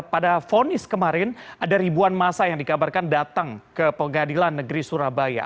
pada fonis kemarin ada ribuan masa yang dikabarkan datang ke pengadilan negeri surabaya